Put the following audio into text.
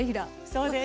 そうです。